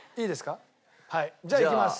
じゃあいきます。